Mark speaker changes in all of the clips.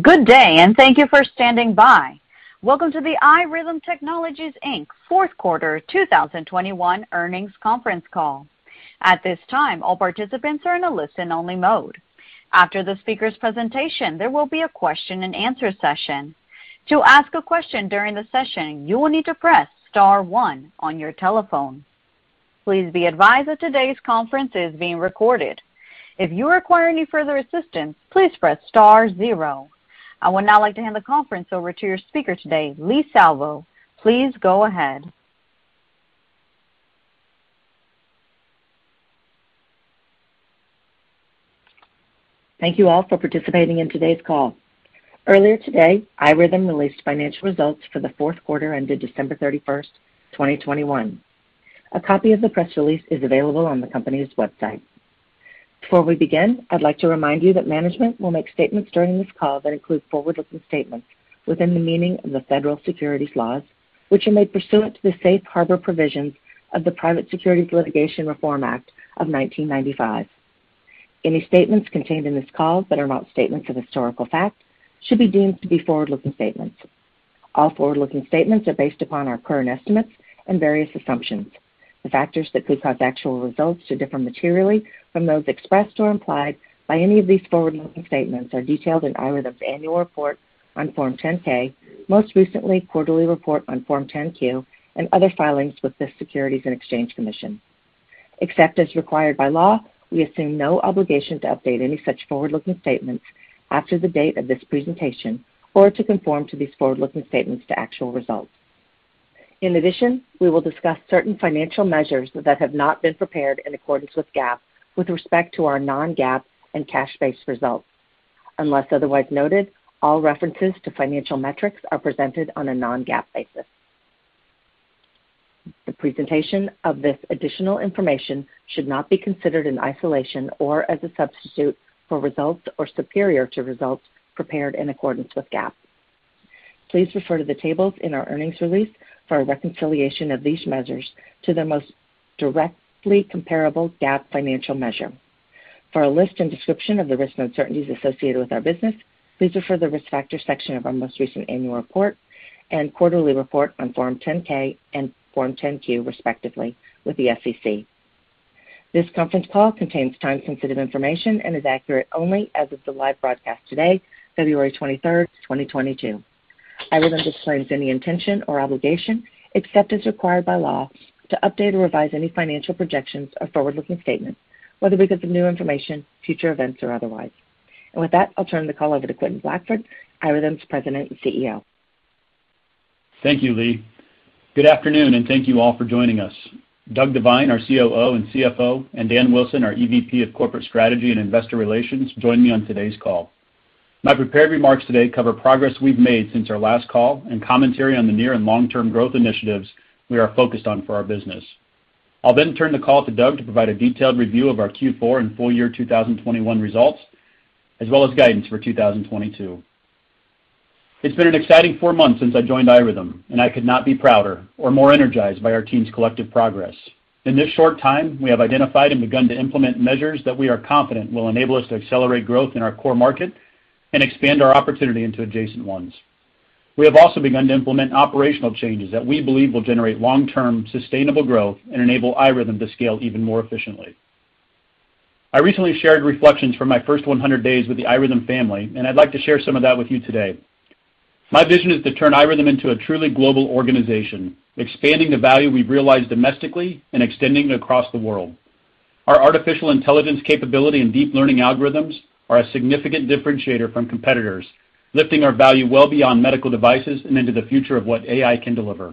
Speaker 1: Good day, and thank you for standing by. Welcome to the iRhythm Technologies, Inc.'s fourth quarter 2021 earnings conference call. At this time, all participants are in a listen-only mode. After the speaker's presentation, there will be a question-and-answer session. To ask a question during the session, you will need to press star one on your telephone. Please be advised that today's conference is being recorded. If you require any further assistance, please press star zero. I would now like to hand the conference over to your speaker today, Leigh Salvo. Please go ahead.
Speaker 2: Thank you all for participating in today's call. Earlier today, iRhythm released financial results for the fourth quarter ended December 31st, 2021. A copy of the press release is available on the company's website. Before we begin, I'd like to remind you that management will make statements during this call that include forward-looking statements within the meaning of the federal securities laws, which are made pursuant to the Safe Harbor provisions of the Private Securities Litigation Reform Act of 1995. Any statements contained in this call that are not statements of historical fact should be deemed to be forward-looking statements. All forward-looking statements are based upon our current estimates and various assumptions. The factors that could cause actual results to differ materially from those expressed or implied by any of these forward-looking statements are detailed in iRhythm's annual report on Form 10-K, most recent Quarterly Report on Form 10-Q, and other filings with the Securities and Exchange Commission. Except as required by law, we assume no obligation to update any such forward-looking statements after the date of this presentation or to conform to these forward-looking statements to actual results. In addition, we will discuss certain financial measures that have not been prepared in accordance with GAAP with respect to our non-GAAP and cash-based results. Unless otherwise noted, all references to financial metrics are presented on a non-GAAP basis. The presentation of this additional information should not be considered in isolation or as a substitute for results or superior to results prepared in accordance with GAAP. Please refer to the tables in our earnings release for a reconciliation of these measures to their most directly comparable GAAP financial measure. For a list and description of the risks and uncertainties associated with our business, please refer to the Risk Factors section of our most recent annual report and quarterly report on Form 10-K and Form 10-Q, respectively, with the SEC. This conference call contains time-sensitive information and is accurate only as of the live broadcast today, February 23rd, 2022. iRhythm disclaims any intention or obligation, except as required by law, to update or revise any financial projections or forward-looking statements, whether because of new information, future events, or otherwise. With that, I'll turn the call over to Quentin Blackford, iRhythm's President and CEO.
Speaker 3: Thank you, Leigh. Good afternoon, and thank you all for joining us. Doug Devine, our COO and CFO, and Dan Wilson, our EVP of Corporate Strategy and Investor Relations, join me on today's call. My prepared remarks today cover progress we've made since our last call and commentary on the near- and long-term growth initiatives we are focused on for our business. I'll then turn the call to Doug to provide a detailed review of our Q4 and full year 2021 results, as well as guidance for 2022. It's been an exciting four months since I joined iRhythm, and I could not be prouder or more energized by our team's collective progress. In this short time, we have identified and begun to implement measures that we are confident will enable us to accelerate growth in our core market and expand our opportunity into adjacent ones. We have also begun to implement operational changes that we believe will generate long-term sustainable growth and enable iRhythm to scale even more efficiently. I recently shared reflections from my first 100 days with the iRhythm family, and I'd like to share some of that with you today. My vision is to turn iRhythm into a truly global organization, expanding the value we've realized domestically and extending it across the world. Our artificial intelligence capability and deep learning algorithms are a significant differentiator from competitors, lifting our value well beyond medical devices and into the future of what AI can deliver.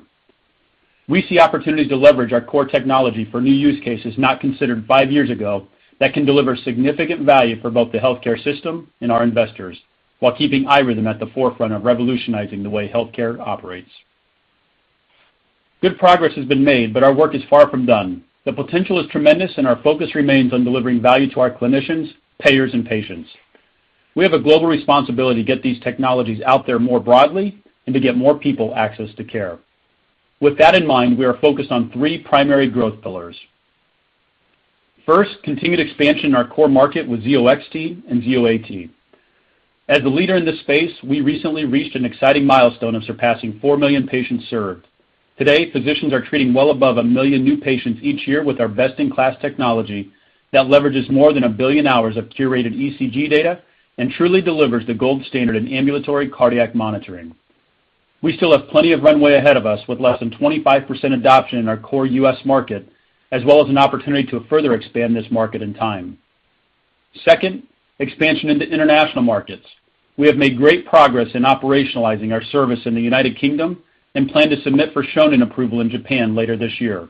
Speaker 3: We see opportunities to leverage our core technology for new use cases not considered five years ago that can deliver significant value for both the healthcare system and our investors while keeping iRhythm at the forefront of revolutionizing the way healthcare operates. Good progress has been made, but our work is far from done. The potential is tremendous, and our focus remains on delivering value to our clinicians, payers, and patients. We have a global responsibility to get these technologies out there more broadly and to get more people access to care. With that in mind, we are focused on three primary growth pillars. First, continued expansion in our core market with Zio XT and Zio AT. As the leader in this space, we recently reached an exciting milestone of surpassing 4 million patients served. Today, physicians are treating well above 1 million new patients each year with our best-in-class technology that leverages more than 1 billion hours of curated ECG data and truly delivers the gold standard in ambulatory cardiac monitoring. We still have plenty of runway ahead of us with less than 25% adoption in our core U.S.- ...market, as well as an opportunity to further expand this market in time. Second, expansion into international markets. We have made great progress in operationalizing our service in the United Kingdom and plan to submit for Shonin approval in Japan later this year.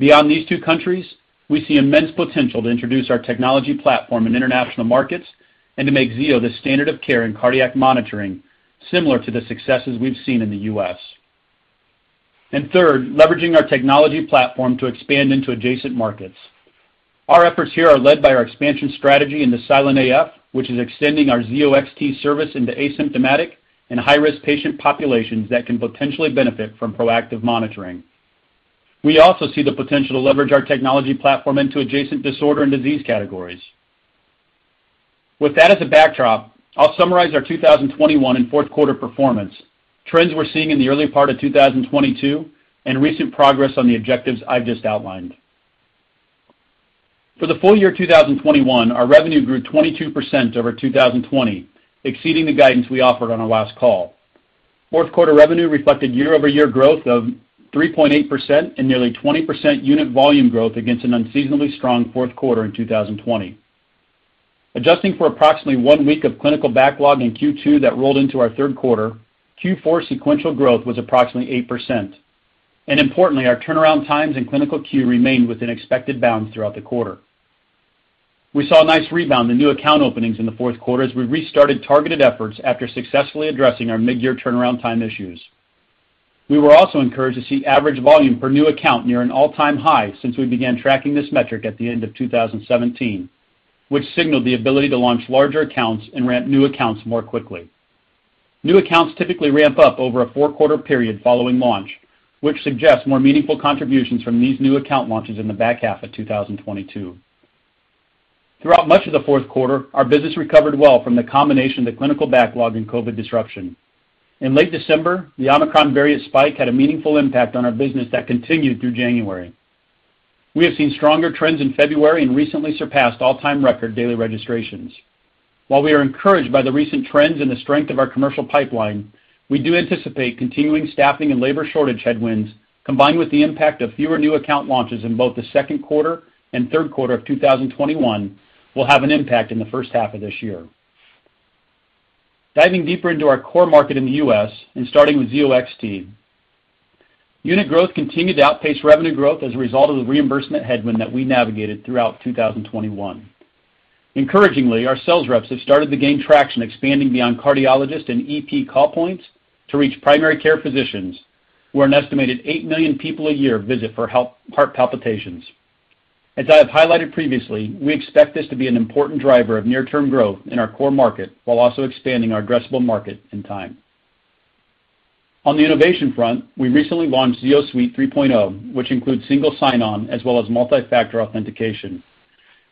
Speaker 3: Beyond these two countries, we see immense potential to introduce our technology platform in international markets and to make Zio the standard of care in cardiac monitoring, similar to the successes we've seen in the U.S. Third, leveraging our technology platform to expand into adjacent markets. Our efforts here are led by our expansion strategy into silent AF, which is extending our Zio XT service into asymptomatic and high-risk patient populations that can potentially benefit from proactive monitoring. We also see the potential to leverage our technology platform into adjacent disorder and disease categories. With that as a backdrop, I'll summarize our 2021 and fourth quarter performance, trends we're seeing in the early part of 2022, and recent progress on the objectives I've just outlined. For the full year 2021, our revenue grew 22% over 2020, exceeding the guidance we offered on our last call. Fourth quarter revenue reflected year-over-year growth of 3.8% and nearly 20% unit volume growth against an unseasonably strong fourth quarter in 2020. Adjusting for approximately one week of clinical backlog in Q2 that rolled into our third quarter, Q4 sequential growth was approximately 8%. Importantly, our turnaround times in clinical queue remained within expected bounds throughout the quarter. We saw a nice rebound in new account openings in the fourth quarter as we restarted targeted efforts after successfully addressing our midyear turnaround time issues. We were also encouraged to see average volume per new account near an all-time high since we began tracking this metric at the end of 2017, which signaled the ability to launch larger accounts and ramp new accounts more quickly. New accounts typically ramp up over a four-quarter period following launch, which suggests more meaningful contributions from these new account launches in the back half of 2022. Throughout much of the fourth quarter, our business recovered well from the combination of the clinical backlog and COVID disruption. In late December, the Omicron variant spike had a meaningful impact on our business that continued through January. We have seen stronger trends in February and recently surpassed all-time record daily registrations. While we are encouraged by the recent trends and the strength of our commercial pipeline, we do anticipate continuing staffing and labor shortage headwinds, combined with the impact of fewer new account launches in both the second quarter and third quarter of 2021 will have an impact in the first half of this year. Diving deeper into our core market in the U.S. and starting with Zio XT. Unit growth continued to outpace revenue growth as a result of the reimbursement headwind that we navigated throughout 2021. Encouragingly, our sales reps have started to gain traction expanding beyond cardiologist and EP call points to reach primary care physicians, who an estimated eight million people a year visit for help with heart palpitations. As I have highlighted previously, we expect this to be an important driver of near-term growth in our core market while also expanding our addressable market in time. On the innovation front, we recently launched Zio Suite 3.0, which includes single sign-on as well as multi-factor authentication.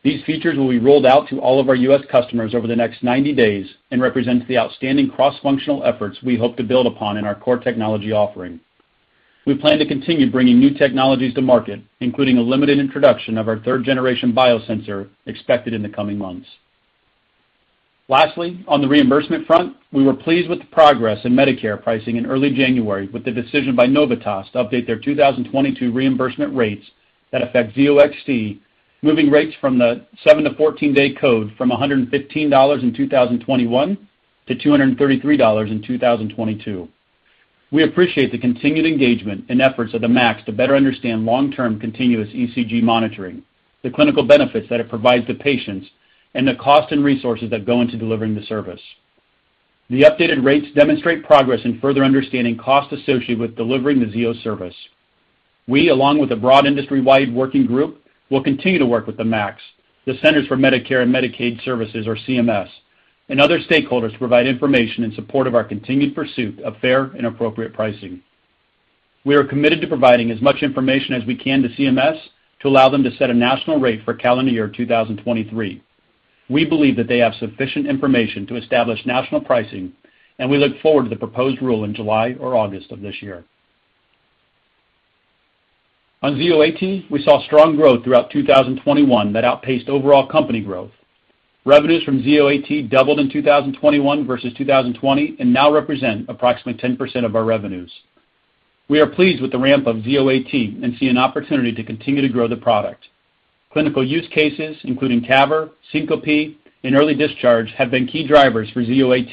Speaker 3: These features will be rolled out to all of our U.S. customers over the next 90 days and represents the outstanding cross-functional efforts we hope to build upon in our core technology offering. We plan to continue bringing new technologies to market, including a limited introduction of our third-generation biosensor expected in the coming months. Lastly, on the reimbursement front, we were pleased with the progress in Medicare pricing in early January with the decision by Novitas to update their 2022 reimbursement rates that affect Zio XT, moving rates from the seven to 14-day code from $115 in 2021 to $233 in 2022. We appreciate the continued engagement and efforts of the MACs to better understand long-term continuous ECG monitoring, the clinical benefits that it provides to patients, and the cost and resources that go into delivering the service. The updated rates demonstrate progress in further understanding costs associated with delivering the Zio service. We, along with a broad industry-wide working group, will continue to work with the MACs, the Centers for Medicare and Medicaid Services, or CMS, and other stakeholders to provide information in support of our continued pursuit of fair and appropriate pricing. We are committed to providing as much information as we can to CMS to allow them to set a national rate for calendar year 2023. We believe that they have sufficient information to establish national pricing, and we look forward to the proposed rule in July or August of this year. On Zio AT, we saw strong growth throughout 2021 that outpaced overall company growth. Revenues from Zio AT doubled in 2021 versus 2020 and now represent approximately 10% of our revenues. We are pleased with the ramp of Zio AT and see an opportunity to continue to grow the product. Clinical use cases, including CAVR, syncope, and early discharge, have been key drivers for Zio AT,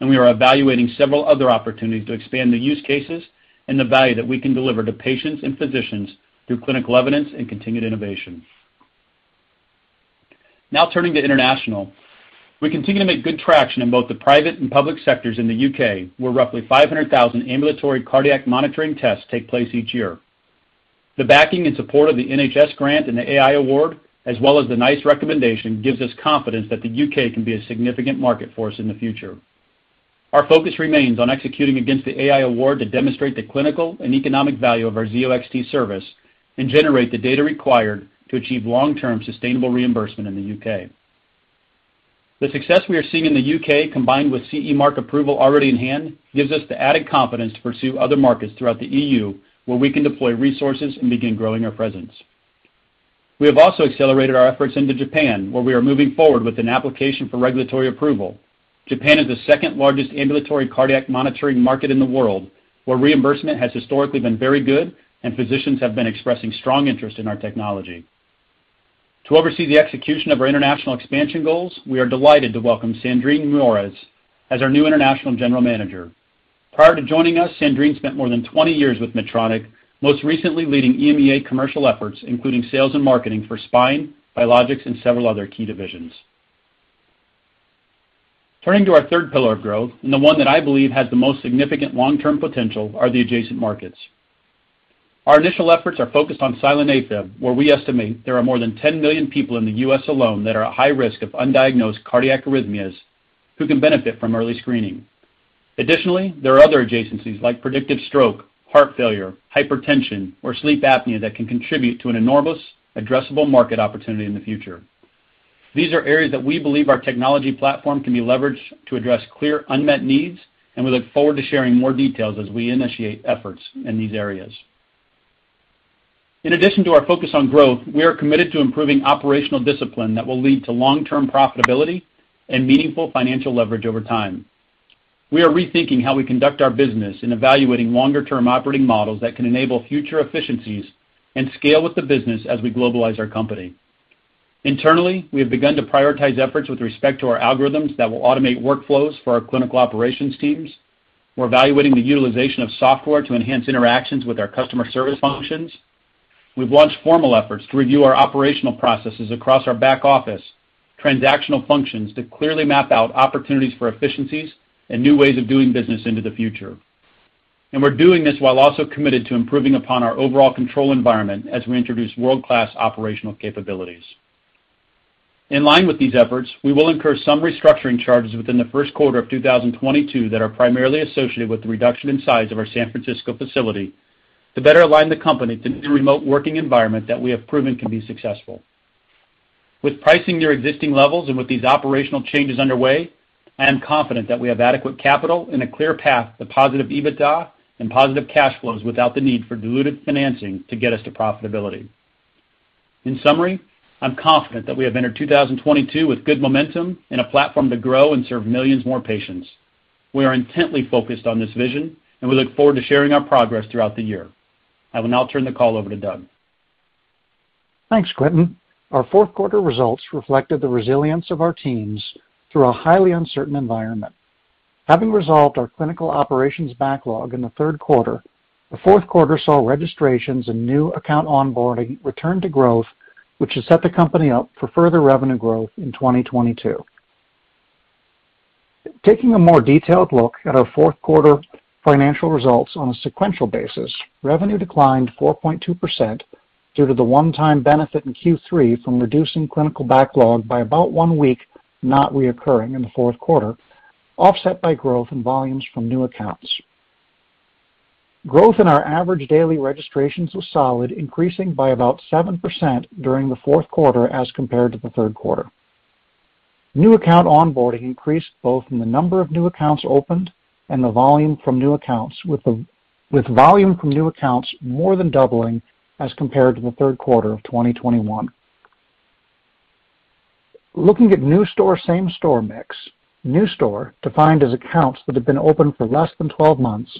Speaker 3: and we are evaluating several other opportunities to expand the use cases and the value that we can deliver to patients and physicians through clinical evidence and continued innovation. Now, turning to international. We continue to make good traction in both the private and public sectors in the U.K., where roughly 500,000 ambulatory cardiac monitoring tests take place each year. The backing and support of the NHS grant and the AI award, as well as the NICE recommendation, gives us confidence that the U.K. can be a significant market for us in the future. Our focus remains on executing against the AI Award to demonstrate the clinical and economic value of our Zio XT service and generate the data required to achieve long-term sustainable reimbursement in the U.K. The success we are seeing in the U.K., combined with CE mark approval already in hand, gives us the added confidence to pursue other markets throughout the E.U., where we can deploy resources and begin growing our presence. We have also accelerated our efforts into Japan, where we are moving forward with an application for regulatory approval. Japan is the second-largest ambulatory cardiac monitoring market in the world, where reimbursement has historically been very good and physicians have been expressing strong interest in our technology. To oversee the execution of our international expansion goals, we are delighted to welcome Sandrine Moirez as our new International General Manager. Prior to joining us, Sandrine spent more than 20 years with Medtronic, most recently leading EMEA commercial efforts, including sales and marketing for Spine, Biologics, and several other key divisions. Turning to our third pillar of growth, and the one that I believe has the most significant long-term potential, are the adjacent markets. Our initial efforts are focused on silent AFib, where we estimate there are more than 10 million people in the U.S. alone that are at high risk of undiagnosed cardiac arrhythmias who can benefit from early screening. Additionally, there are other adjacencies like predictive stroke, heart failure, hypertension, or sleep apnea that can contribute to an enormous addressable market opportunity in the future. These are areas that we believe our technology platform can be leveraged to address clear unmet needs, and we look forward to sharing more details as we initiate efforts in these areas. In addition to our focus on growth, we are committed to improving operational discipline that will lead to long-term profitability and meaningful financial leverage over time. We are rethinking how we conduct our business in evaluating longer term operating models that can enable future efficiencies and scale with the business as we globalize our company. Internally, we have begun to prioritize efforts with respect to our algorithms that will automate workflows for our clinical operations teams. We're evaluating the utilization of software to enhance interactions with our customer service functions. We've launched formal efforts to review our operational processes across our back-office transactional functions to clearly map out opportunities for efficiencies and new ways of doing business into the future. We're doing this while also committed to improving upon our overall control environment as we introduce world-class operational capabilities. In line with these efforts, we will incur some restructuring charges within the first quarter of 2022 that are primarily associated with the reduction in size of our San Francisco facility to better align the company to the new remote working environment that we have proven can be successful. With pricing near existing levels and with these operational changes underway, I am confident that we have adequate capital and a clear path to positive EBITDA and positive cash flows without the need for diluted financing to get us to profitability. In summary, I'm confident that we have entered 2022 with good momentum and a platform to grow and serve millions more patients. We are intently focused on this vision, and we look forward to sharing our progress throughout the year. I will now turn the call over to Doug.
Speaker 4: Thanks, Quentin. Our fourth quarter results reflected the resilience of our teams through a highly uncertain environment. Having resolved our clinical operations backlog in the third quarter, the fourth quarter saw registrations and new account onboarding return to growth, which has set the company up for further revenue growth in 2022. Taking a more detailed look at our fourth quarter financial results on a sequential basis, revenue declined 4.2% due to the one-time benefit in Q3 from reducing clinical backlog by about one week, not reoccurring in the fourth quarter, offset by growth in volumes from new accounts. Growth in our average daily registrations was solid, increasing by about 7% during the fourth quarter as compared to the third quarter. New account onboarding increased both in the number of new accounts opened and the volume from new accounts, with volume from new accounts more than doubling as compared to the third quarter of 2021. Looking at new store, same store mix, new store, defined as accounts that have been open for less than 12 months,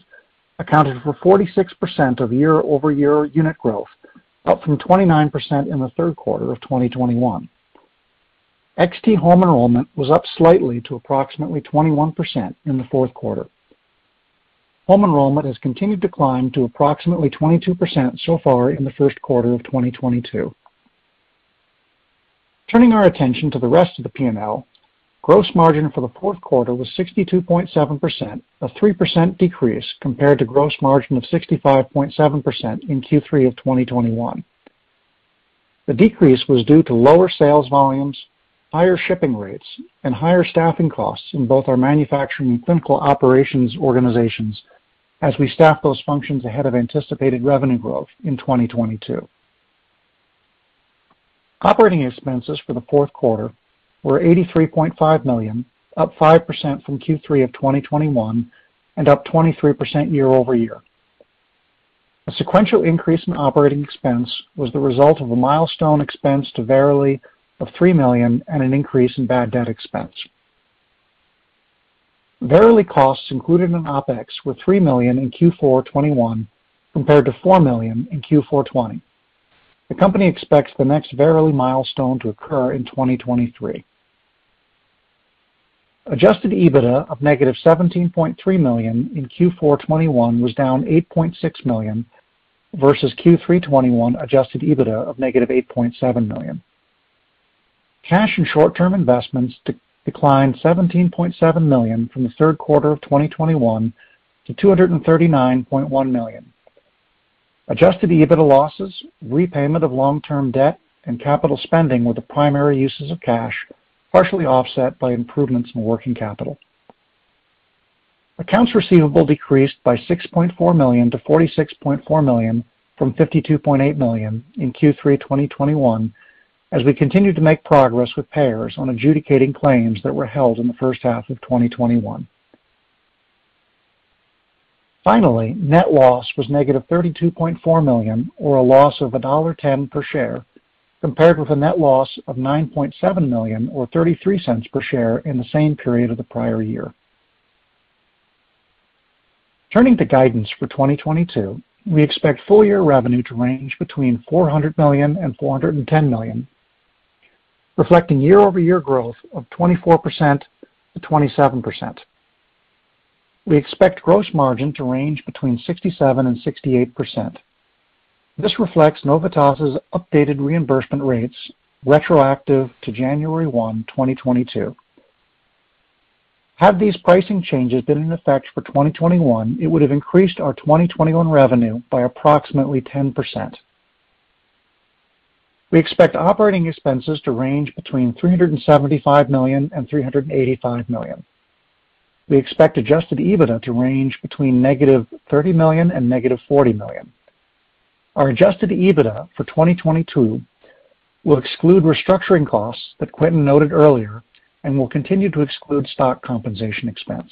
Speaker 4: accounted for 46% of year-over-year unit growth, up from 29% in the third quarter of 2021. XT home enrollment was up slightly to approximately 21% in the fourth quarter. Home enrollment has continued to climb to approximately 22% so far in the first quarter of 2022. Turning our attention to the rest of the P&L, gross margin for the fourth quarter was 62.7%, a 3% decrease compared to gross margin of 65.7% in Q3 of 2021. The decrease was due to lower sales volumes, higher shipping rates, and higher staffing costs in both our manufacturing and clinical operations organizations as we staff those functions ahead of anticipated revenue growth in 2022. Operating expenses for the fourth quarter were $83.5 million, up 5% from Q3 of 2021, and up 23% year-over-year. A sequential increase in operating expense was the result of a milestone expense to Verily of $3 million and an increase in bad debt expense. Verily costs included in OpEx were $3 million in Q4 2021 compared to $4 million in Q4 2020. The company expects the next Verily milestone to occur in 2023. Adjusted EBITDA of -$17.3 million in Q4 2021 was down $8.6 million versus Q3 2021 Adjusted EBITDA of -$8.7 million. Cash and short-term investments declined $17.7 million from Q3 2021 to $239.1 million. Adjusted EBITDA losses, repayment of long-term debt, and capital spending were the primary uses of cash, partially offset by improvements in working capital. Accounts receivable decreased by $6.4 million to $46.4 million from $52.8 million in Q3 2021 as we continued to make progress with payers on adjudicating claims that were held in the first half of 2021. Finally, net loss was -$32.4 million or a loss of $1.10 per share, compared with a net loss of $9.7 million or $0.33 per share in the same period of the prior year. Turning to guidance for 2022, we expect full-year revenue to range between $400 million and $410 million, reflecting year-over-year growth of 24%-27%. We expect gross margin to range between 67% and 68%. This reflects Novitas' updated reimbursement rates retroactive to January 1, 2022. Had these pricing changes been in effect for 2021, it would have increased our 2021 revenue by approximately 10%. We expect operating expenses to range between $375 million and $385 million. We expect Adjusted EBITDA to range between -$30 million and -$40 million. Our Adjusted EBITDA for 2022 will exclude restructuring costs that Quentin noted earlier and will continue to exclude stock compensation expense.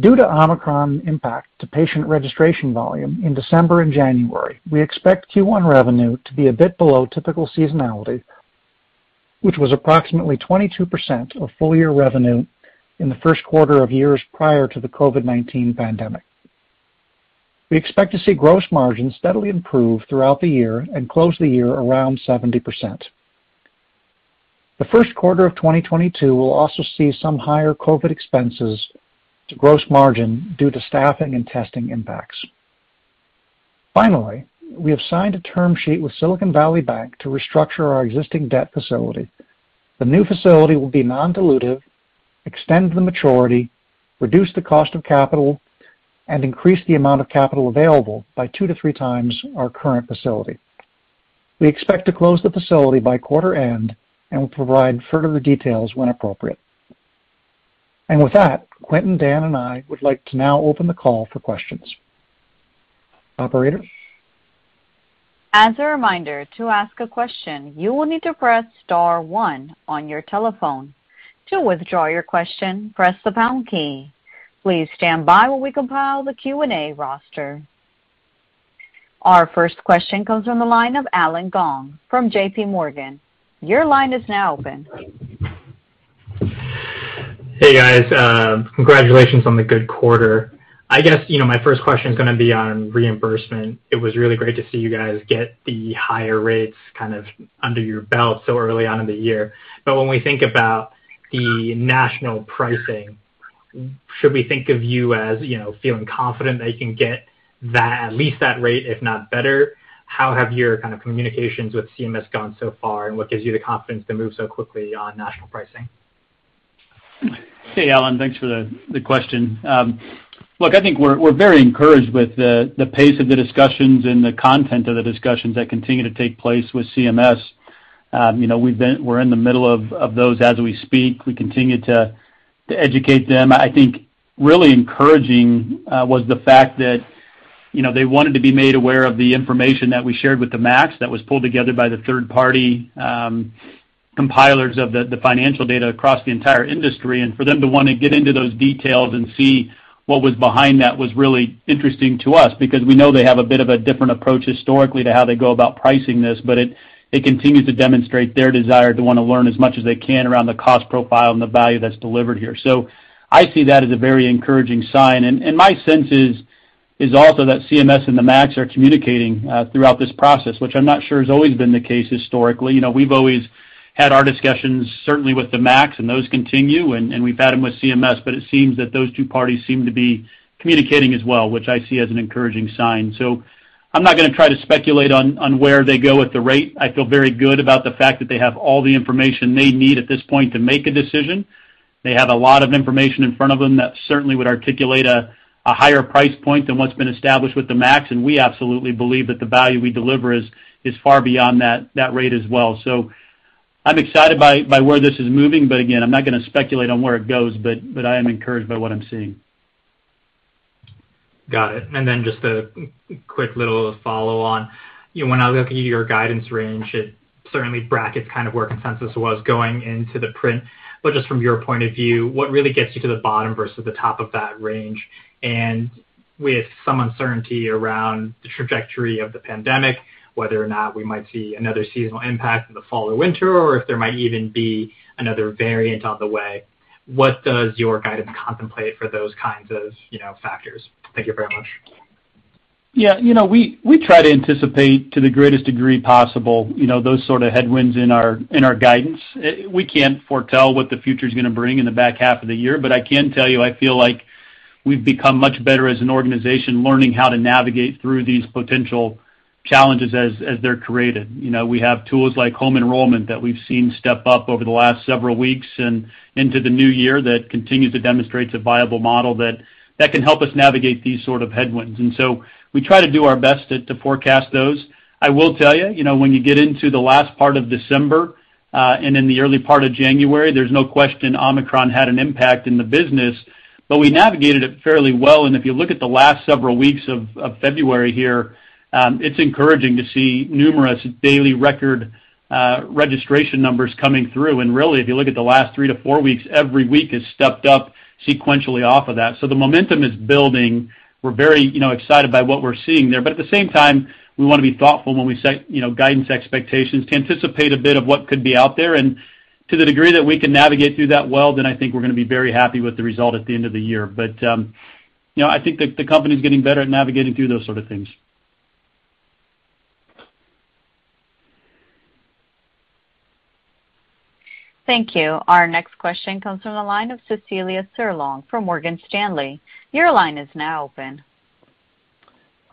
Speaker 4: Due to Omicron impact to patient registration volume in December and January, we expect Q1 revenue to be a bit below typical seasonality, which was approximately 22% of full year revenue in the first quarter of years prior to the COVID-19 pandemic. We expect to see gross margins steadily improve throughout the year and close the year around 70%. The first quarter of 2022 will also see some higher COVID expenses to gross margin due to staffing and testing impacts. Finally, we have signed a term sheet with Silicon Valley Bank to restructure our existing debt facility. The new facility will be non-dilutive, extend the maturity, reduce the cost of capital, and increase the amount of capital available by 2-3x our current facility. We expect to close the facility by quarter end and will provide further details when appropriate. With that, Quentin, Dan, and I would like to now open the call for questions. Operator?
Speaker 1: As a reminder, to ask a question, you will need to press star one on your telephone. To withdraw your question, press the pound key. Please stand by while we compile the Q&A roster. Our first question comes from the line of Allen Gong from JPMorgan. Your line is now open.
Speaker 5: Hey, guys, congratulations on the good quarter. I guess, you know, my first question is gonna be on reimbursement. It was really great to see you guys get the higher rates kind of under your belt so early on in the year. When we think about the national pricing, should we think of you as, you know, feeling confident that you can get that, at least that rate, if not better? How have your kind of communications with CMS gone so far, and what gives you the confidence to move so quickly on national pricing?
Speaker 3: Hey, Allen, thanks for the question. Look, I think we're very encouraged with the pace of the discussions and the content of the discussions that continue to take place with CMS. You know, we're in the middle of those as we speak. We continue to educate them. I think really encouraging was the fact that, you know, they wanted to be made aware of the information that we shared with the MACs that was pulled together by the third party compilers of the financial data across the entire industry. For them to wanna get into those details and see what was behind that was really interesting to us because we know they have a bit of a different approach historically to how they go about pricing this. It continues to demonstrate their desire to wanna learn as much as they can around the cost profile and the value that's delivered here. I see that as a very encouraging sign. My sense is also that CMS and the MACs are communicating throughout this process, which I'm not sure has always been the case historically. You know, we've always had our discussions certainly with the MACs, and those continue and we've had them with CMS, but it seems that those two parties seem to be communicating as well, which I see as an encouraging sign. I'm not gonna try to speculate on where they go with the rate. I feel very good about the fact that they have all the information they need at this point to make a decision. They have a lot of information in front of them that certainly would articulate a higher price point than what's been established with the MACs. We absolutely believe that the value we deliver is far beyond that rate as well. I'm excited by where this is moving, but again, I'm not gonna speculate on where it goes, but I am encouraged by what I'm seeing.
Speaker 5: Got it. Just a quick little follow on. When I look at your guidance range, it certainly brackets kind of where consensus was going into the print. Just from your point of view, what really gets you to the bottom versus the top of that range? With some uncertainty around the trajectory of the pandemic, whether or not we might see another seasonal impact in the fall or winter, or if there might even be another variant on the way, what does your guidance contemplate for those kinds of, you know, factors? Thank you very much.
Speaker 3: Yeah, you know, we try to anticipate to the greatest degree possible, you know, those sort of headwinds in our guidance. We can't foretell what the future's gonna bring in the back half of the year, but I can tell you, I feel like we've become much better as an organization learning how to navigate through these potential challenges as they're created. You know, we have tools like home enrollment that we've seen step up over the last several weeks and into the new year that continues to demonstrate it's a viable model that can help us navigate these sort of headwinds. We try to do our best to forecast those. I will tell you know, when you get into the last part of December and in the early part of January, there's no question Omicron had an impact in the business, but we navigated it fairly well. If you look at the last several weeks of February here, it's encouraging to see numerous daily record registration numbers coming through. Really, if you look at the last three to four weeks, every week has stepped up sequentially off of that. The momentum is building. We're very, you know, excited by what we're seeing there. At the same time, we wanna be thoughtful when we set, you know, guidance expectations to anticipate a bit of what could be out there. To the degree that we can navigate through that well, then I think we're gonna be very happy with the result at the end of the year. But, you know, I think the company's getting better at navigating through those sort of things.
Speaker 1: Thank you. Our next question comes from the line of Cecilia Furlong from Morgan Stanley. Your line is now open.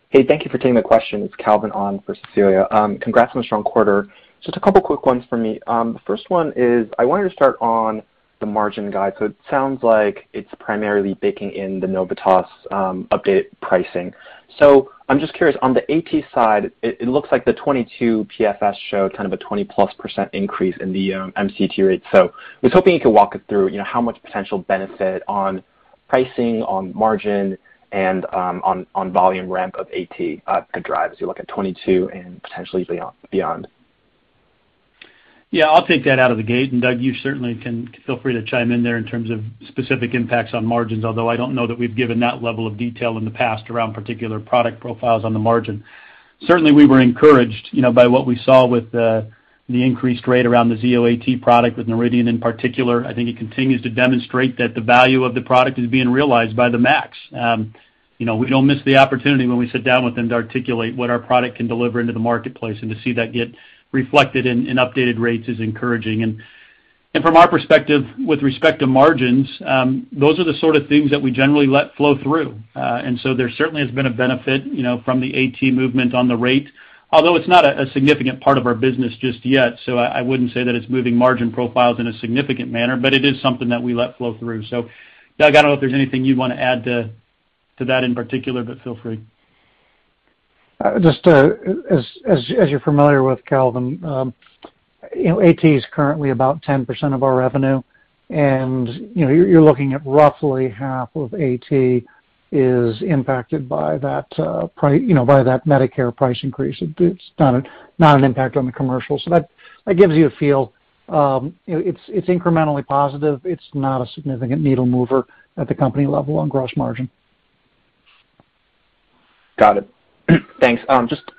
Speaker 6: Hey, thank you for taking the question. It's Calvin on for Cecilia. Congrats on a strong quarter. Just a couple of quick ones for me. The first one is I wanted to start on- ...the margin guide. It sounds like it's primarily baking in the Novitas updated pricing. I'm just curious, on the AT side, it looks like the 2022 PFS showed kind of a 20+% increase in the MCT rate. I was hoping you could walk us through, you know, how much potential benefit on pricing, on margin, and on volume ramp of AT could drive as you look at 2022 and potentially beyond.
Speaker 3: Yeah, I'll take that out of the gate. Doug, you certainly can feel free to chime in there in terms of specific impacts on margins, although I don't know that we've given that level of detail in the past around particular product profiles on the margin. Certainly, we were encouraged, you know, by what we saw with the increased rate around the Zio AT product with Noridian in particular. I think it continues to demonstrate that the value of the product is being realized by the MACs. You know, we don't miss the opportunity when we sit down with them to articulate what our product can deliver into the marketplace, and to see that get reflected in updated rates is encouraging. From our perspective, with respect to margins, those are the sort of things that we generally let flow through. There certainly has been a benefit, you know, from the AT movement on the rate, although it's not a significant part of our business just yet, so I wouldn't say that it's moving margin profiles in a significant manner, but it is something that we let flow through. Doug, I don't know if there's anything you'd wanna add to that in particular, but feel free.
Speaker 4: As you're familiar with, Calvin, you know, AT is currently about 10% of our revenue. You know, you're looking at roughly half of AT is impacted by that, you know, by that Medicare price increase. It's not an impact on the commercial. That gives you a feel. You know, it's incrementally positive. It's not a significant needle mover at the company level on gross margin.
Speaker 6: Got it. Thanks. Just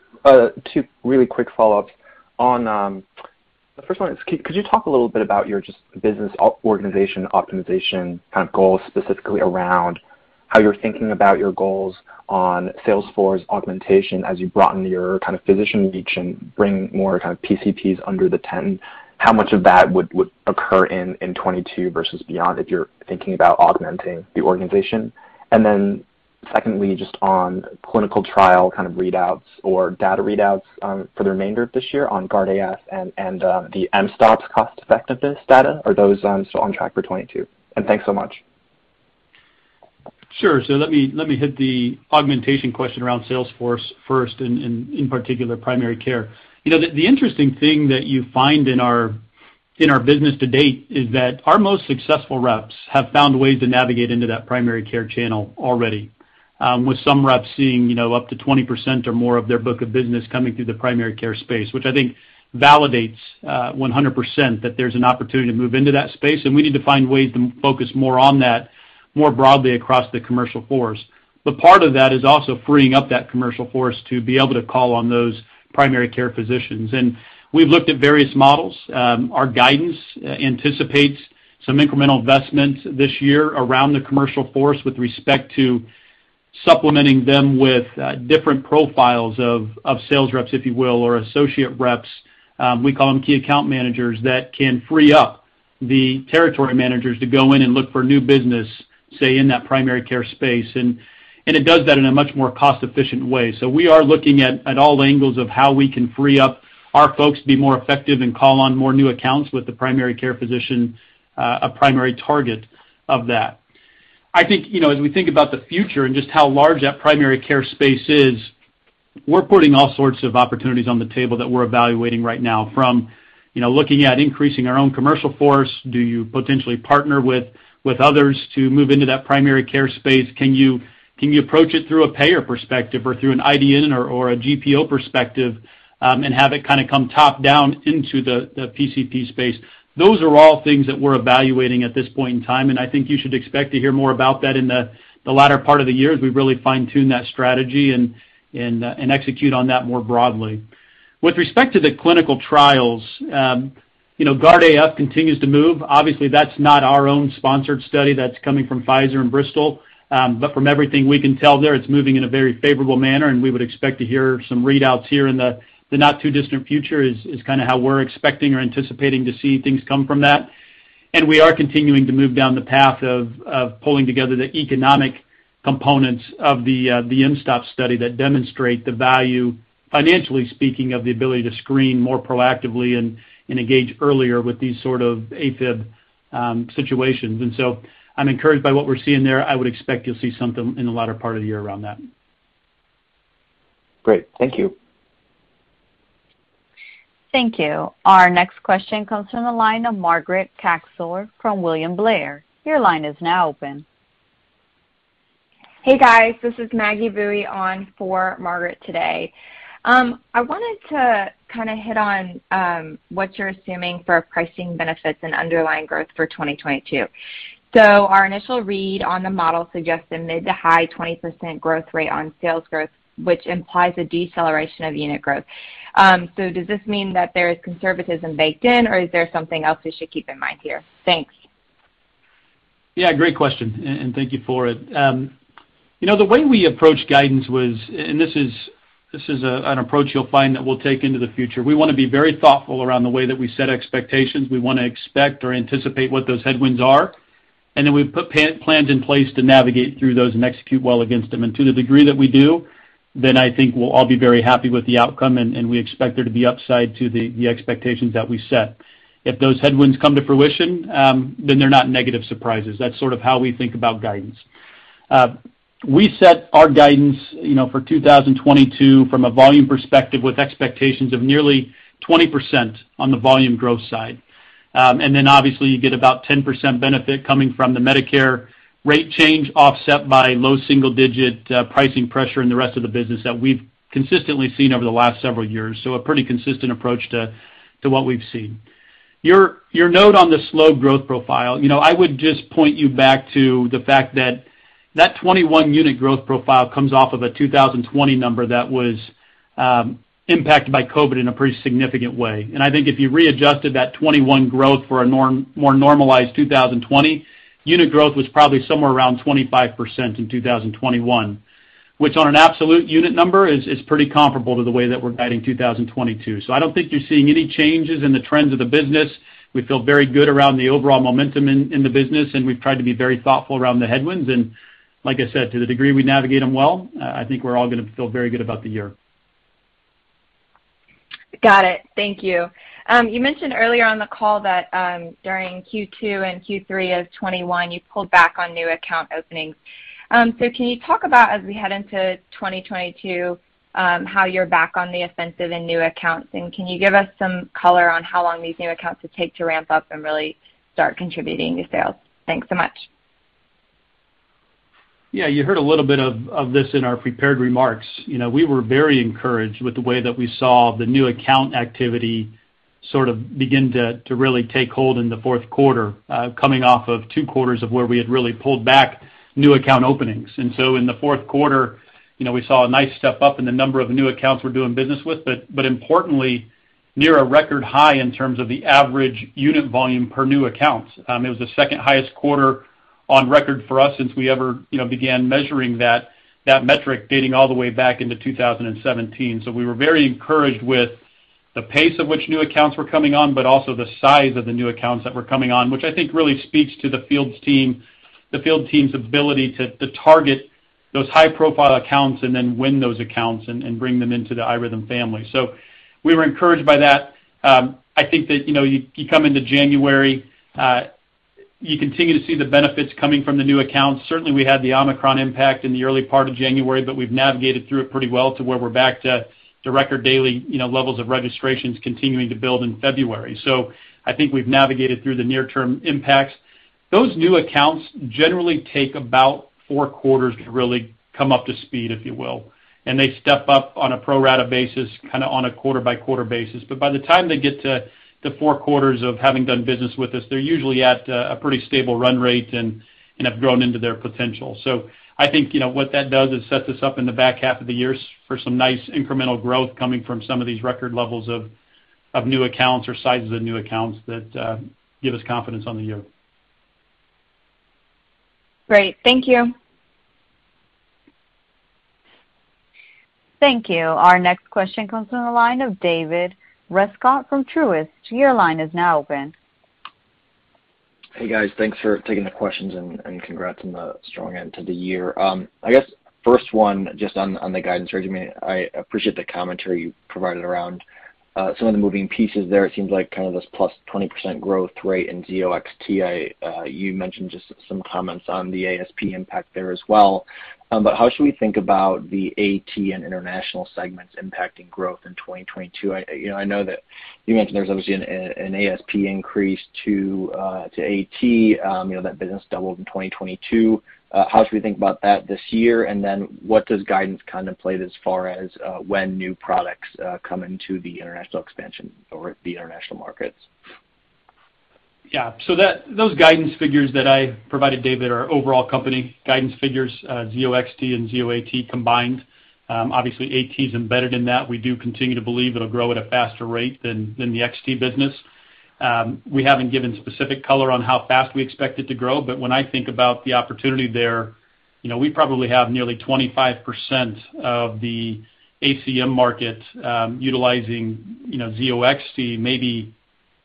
Speaker 6: two really quick follow-ups. On the first one is could you talk a little bit about your just business organization optimization kind of goals, specifically around how you're thinking about your goals on sales force augmentation as you broaden your kind of physician reach and bring more kind of PCPs under the tent? How much of that would occur in 2022 versus beyond if you're thinking about augmenting the organization? And then secondly, just on clinical trial kind of readouts or data readouts, for the remainder of this year on GUARD-AF and the mSToPS cost-effectiveness data. Are those still on track for 2022? And thanks so much.
Speaker 3: Sure. Let me hit the augmentation question around sales force first and in particular, primary care. You know, the interesting thing that you find in our business to date is that our most successful reps have found ways to navigate into that primary care channel already, with some reps seeing, you know, up to 20% or more of their book of business coming through the primary care space, which I think validates 100% that there's an opportunity to move into that space, and we need to find ways to focus more on that more broadly across the commercial force. Part of that is also freeing up that commercial force to be able to call on those primary care physicians. We've looked at various models. Our guidance anticipates some incremental investments this year around the sales force with respect to supplementing them with different profiles of sales reps, if you will, or associate reps. We call them key account managers that can free up the territory managers to go in and look for new business, say, in that primary care space. It does that in a much more cost-efficient way. We are looking at all angles of how we can free up our folks to be more effective and call on more new accounts with the primary care physician, a primary target of that. I think, you know, as we think about the future and just how large that primary care space is, we're putting all sorts of opportunities on the table that we're evaluating right now from, you know, looking at increasing our own commercial force, do you potentially partner with others to move into that primary care space, can you approach it through a payer perspective or through an IDN or a GPO perspective, and have it kinda come top-down into the PCP space. Those are all things that we're evaluating at this point in time, and I think you should expect to hear more about that in the latter part of the year as we really fine-tune that strategy and execute on that more broadly. With respect to the clinical trials, you know, GUARD-AF continues to move. Obviously, that's not our own sponsored study. That's coming from Pfizer and Bristol. But from everything we can tell there, it's moving in a very favorable manner, and we would expect to hear some readouts here in the not too distant future is kinda how we're expecting or anticipating to see things come from that. We are continuing to move down the path of pulling together the economic components of the mSToPS study that demonstrate the value, financially speaking, of the ability to screen more proactively and engage earlier with these sort of AFib situations. I'm encouraged by what we're seeing there. I would expect you'll see something in the latter part of the year around that.
Speaker 6: Great. Thank you.
Speaker 1: Thank you. Our next question comes from the line of Margaret Kaczor from William Blair. Your line is now open.
Speaker 7: Hey, guys. This is Maggie Bui on for Margaret today. I wanted to kinda hit on what you're assuming for pricing benefits and underlying growth for 2022. Our initial read on the model suggests a mid to high-20% growth rate on sales growth, which implies a deceleration of unit growth. Does this mean that there is conservatism baked in, or is there something else we should keep in mind here? Thanks.
Speaker 3: Yeah, great question, and thank you for it. You know, the way we approach guidance was, and this is an approach you'll find that we'll take into the future. We wanna be very thoughtful around the way that we set expectations. We wanna expect or anticipate what those headwinds are. Then we've put plans in place to navigate through those and execute well against them. To the degree that we do, then I think we'll all be very happy with the outcome, and we expect there to be upside to the expectations that we set. If those headwinds come to fruition, then they're not negative surprises. That's sort of how we think about guidance. We set our guidance, you know, for 2022 from a volume perspective with expectations of nearly 20% on the volume growth side. Obviously you get about 10% benefit coming from the Medicare rate change offset by low single-digit pricing pressure in the rest of the business that we've consistently seen over the last several years. A pretty consistent approach to what we've seen. Your note on the slow growth profile, you know, I would just point you back to the fact that 2021 unit growth profile comes off of a 2020 number that was impacted by COVID in a pretty significant way. I think if you readjusted that 2021 growth for a more normalized 2020, unit growth was probably somewhere around 25% in 2021, which on an absolute unit number is pretty comparable to the way that we're guiding 2022. I don't think you're seeing any changes in the trends of the business. We feel very good around the overall momentum in the business, and we've tried to be very thoughtful around the headwinds. Like I said, to the degree we navigate them well, I think we're all gonna feel very good about the year.
Speaker 7: Got it. Thank you. You mentioned earlier on the call that, during Q2 and Q3 of 2021, you pulled back on new account openings. Can you talk about, as we head into 2022, how you're back on the offensive in new accounts? Can you give us some color on how long these new accounts will take to ramp up and really start contributing to sales? Thanks so much.
Speaker 3: Yeah, you heard a little bit of this in our prepared remarks. You know, we were very encouraged with the way that we saw the new account activity sort of begin to really take hold in the fourth quarter, coming off of two quarters of where we had really pulled back new account openings. In the fourth quarter, you know, we saw a nice step up in the number of new accounts we're doing business with, but importantly, near a record high in terms of the average unit volume per new accounts. It was the second highest quarter on record for us since we ever began measuring that metric dating all the way back into 2017. We were very encouraged with the pace at which new accounts were coming on, but also the size of the new accounts that were coming on, which I think really speaks to the field team's ability to target those high profile accounts and then win those accounts and bring them into the iRhythm family. We were encouraged by that. I think that, you know, you come into January, you continue to see the benefits coming from the new accounts. Certainly, we had the Omicron impact in the early part of January, but we've navigated through it pretty well to where we're back to record daily, you know, levels of registrations continuing to build in February. I think we've navigated through the near-term impacts. Those new accounts generally take about four quarters to really come up to speed, if you will. They step up on a pro rata basis, kinda on a quarter by quarter basis. By the time they get to the four quarters of having done business with us, they're usually at a pretty stable run rate and have grown into their potential. I think, you know, what that does is set this up in the back half of the years for some nice incremental growth coming from some of these record levels of new accounts or sizes of new accounts that give us confidence on the year.
Speaker 7: Great. Thank you.
Speaker 1: Thank you. Our next question comes from the line of David Rescott from Truist. Your line is now open.
Speaker 8: Hey, guys. Thanks for taking the questions and congrats on the strong end to the year. I guess, first one, just on the guidance range. I appreciate the commentary you provided around some of the moving pieces there. It seems like kind of this plus 20% growth rate in Zio XT. You mentioned just some comments on the ASP impact there as well. How should we think about the AT and international segments impacting growth in 2022? You know, I know that you mentioned there's obviously an ASP increase to AT. You know, that business doubled in 2022. How should we think about that this year? Then what does guidance contemplate as far as when new products come into the international expansion or the international markets?
Speaker 3: Yeah. Those guidance figures that I provided, David, are overall company guidance figures, Zio XT and Zio AT combined. Obviously AT is embedded in that. We do continue to believe it'll grow at a faster rate than the XT business. We haven't given specific color on how fast we expect it to grow, but when I think about the opportunity there, you know, we probably have nearly 25% of the ACM market, utilizing, you know, Zio XT, maybe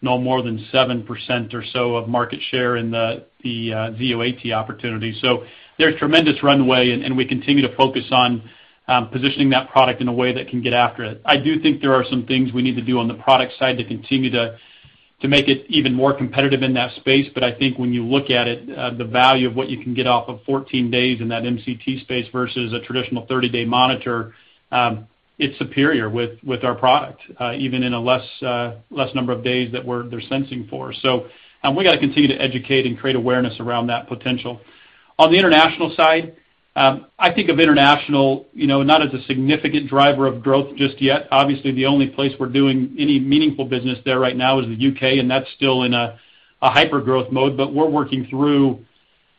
Speaker 3: no more than 7% or so of market share in the Zio AT opportunity. There's tremendous runway, and we continue to focus on positioning that product in a way that can get after it. I do think there are some things we need to do on the product side to continue to make it even more competitive in that space. I think when you look at it, the value of what you can get off of 14 days in that MCT space versus a traditional 30-day monitor, it's superior with our product, even in a less number of days that they're sensing for. We gotta continue to educate and create awareness around that potential. On the international side, I think of international, you know, not as a significant driver of growth just yet. Obviously, the only place we're doing any meaningful business there right now is the U.K., and that's still in a hyper-growth mode. We're working through